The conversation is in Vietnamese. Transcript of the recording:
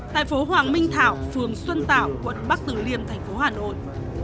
tại phố hoàng minh thảo phường xuân tạo quận bắc tử liên thành phố hà nội